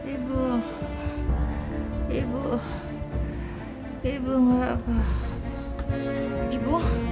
ibu ibu ibu nggak apa apa ibu